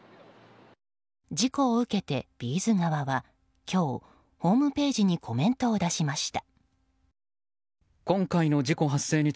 事故を受けて、Ｂ’ｚ側は今日、ホームページにコメントを出しました。